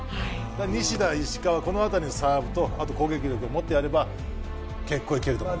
西田、石川、この辺りのサーブと攻撃力を持ってやれば結構いけると思います。